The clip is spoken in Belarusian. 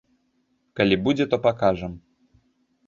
Калі будзе, то пакажам.